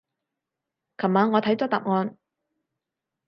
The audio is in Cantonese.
琴晚我睇咗答案